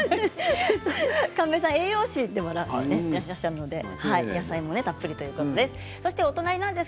神戸さんは栄養士でもいらっしゃるので野菜もたっぷりということです。